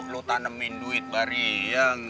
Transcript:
lo tanemin duit bar ya nggak